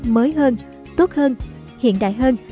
mới hơn tốt hơn hiện đại hơn